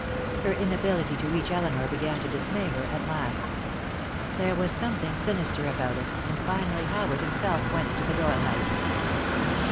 Her inability to reach Elinor began to dismay her, at last. There was something sinister about it, and finally Howard himself went to the Doyle house.